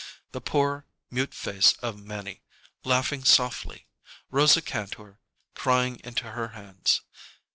The poor, mute face of Mannie, laughing softly. Rosa Kantor crying into her hands.